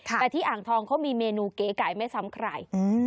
แต่ที่อ่างทองเขามีเมนูเก๋ไก่ไม่ซ้ำใคร